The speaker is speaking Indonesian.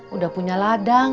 sudah punya ladang